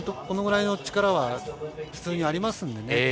このぐらいの力は普通にありますのでね。